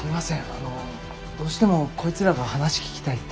あのどうしてもこいつらが話聞きたいって。